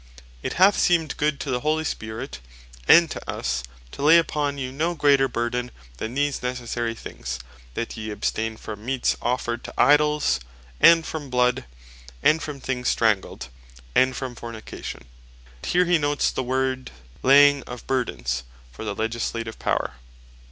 "It hath seemed good to the Holy Spirit, and to us, to lay upon you no greater burden, than these necessary things, that yee abstaine from meats offered to Idols, and from bloud, and from things strangled, and from fornication." Here hee notes the word Laying Of Burdens for the Legislative Power.